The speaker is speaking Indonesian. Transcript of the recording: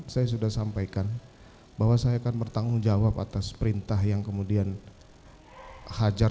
saya sudah sampaikan bahwa saya akan bertanggung jawab atas perintah yang kemudian hajar